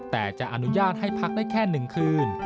แต่จะอนุญาตให้พักได้แค่๑คืน